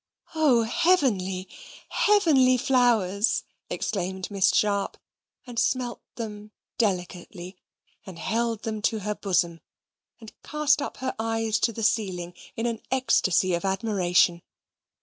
"O heavenly, heavenly flowers!" exclaimed Miss Sharp, and smelt them delicately, and held them to her bosom, and cast up her eyes to the ceiling, in an ecstasy of admiration.